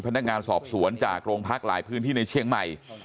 พนักงานสอบสวนจากโรงพักหลายพื้นที่ในเชียงใหม่